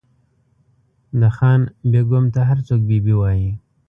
د خان بېګم ته هر څوک بي بي وایي.